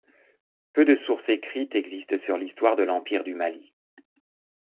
Peu de sources écrites existent sur l'histoire de l'empire du Mali.